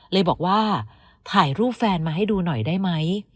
เลยบอกว่าถ่ายรูปแฟนมาให้ดูหน่อยได้ไหม